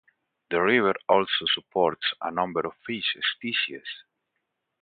The river also supports a number of fish species.